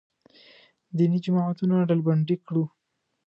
دیني جماعتونه ډلبندي کړو.